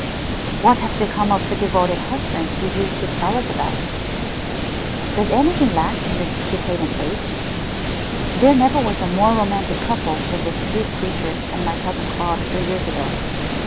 "What had become of the devoted husband you used to tell us about?" "Does anything last in this decadent age? There never was a more romantic couple than that sweet creature and my cousin Claude three years ago.